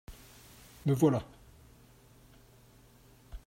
Me voilà.